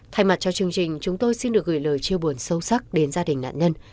thay mặt cho chương trình chúng tôi xin được gửi lời chia buồn sâu sắc đến gia đình nạn nhân